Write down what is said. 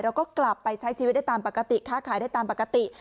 เราก็กลับไปใช้ชีวิตได้ตามปกติค้าขายได้ตามปกติ